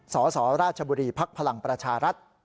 สสราชบุรีภักดิ์พลังประชารัฐ